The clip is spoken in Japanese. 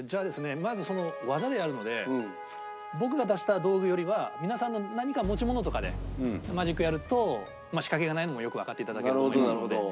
まず技でやるので僕が出した道具よりは皆さんの何か持ち物とかでマジックやると仕掛けがないのもよくわかっていただけると思いますので。